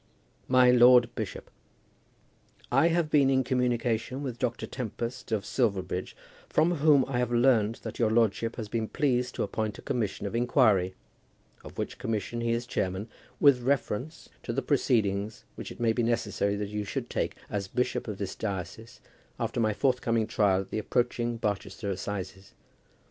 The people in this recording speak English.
MY LORD BISHOP, I have been in communication with Dr. Tempest, of Silverbridge, from whom I have learned that your lordship has been pleased to appoint a commission of inquiry, of which commission he is the chairman, with reference to the proceedings which it may be necessary that you should take, as bishop of this diocese, after my forthcoming trial at the approaching Barchester assizes.